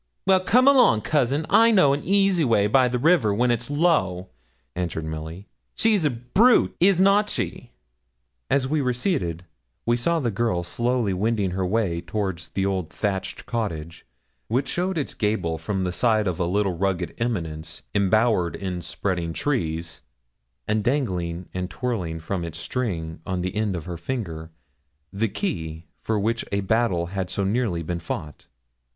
'Well, come along, cousin, I know an easy way by the river, when it's low,' answered Milly. 'She's a brute is not she?' As we receded, we saw the girl slowly wending her way towards the old thatched cottage, which showed its gable from the side of a little rugged eminence embowered in spreading trees, and dangling and twirling from its string on the end of her finger the key for which a battle had so nearly been fought.